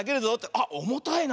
あっおもたいな。